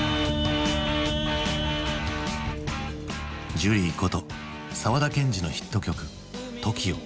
ジュリーこと沢田研二のヒット曲「ＴＯＫＩＯ」。